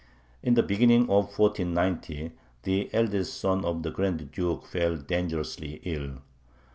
In the beginning of 1490 the eldest son of the Grand Duke fell dangerously ill.